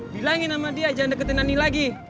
bilangin sama dia jangan deketin ani lagi